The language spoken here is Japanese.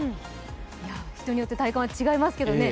人によって体感は違いますけどね。